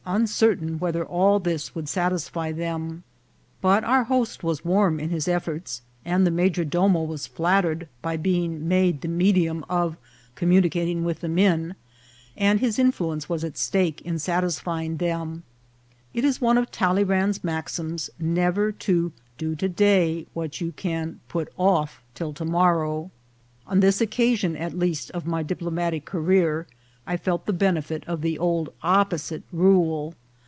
un A KIND HOST. 103 certain whether all this would satisfy them; but our host was warm in his efforts, the major domo was flat tered by being made the medium of communicating with the men, and his influence was at stake in satisfying them. It was one of Talleyrand's maxims never to do to day what you can put off till to morrow. On this occasion at least of my diplomatic career I felt the ben efit of the old opposite rule.